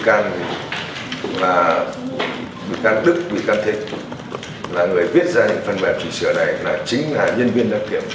cũng là vị can đức vị can thế là người viết ra những phần mềm chỉ sửa này là chính là nhân viên đăng kiểm